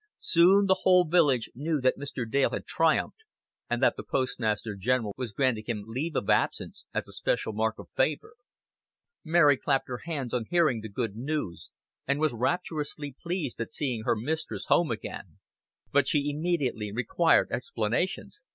Soon the whole village knew that Mr. Dale had triumphed, and that the Postmaster General was granting him leave of absence as a special mark of favor. Mary clapped her hands on hearing the good news, and was rapturously pleased at seeing her mistress home again; but she immediately required explanations.